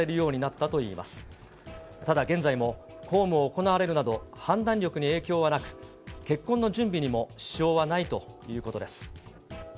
ただ現在も、公務を行われるなど判断力に影響はなく、結婚の準備にも支障はないということです。